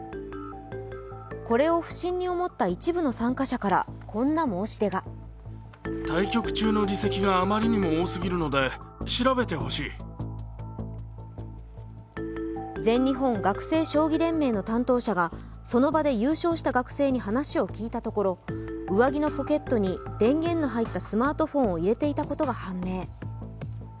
これを不審に思った一部の参加者から、こんな申し出が全日本学生将棋連盟の担当者がその場で優勝した学生に話を聞いたところ上着のポケットに電源の入ったスマートフォンを入れていたことが判明。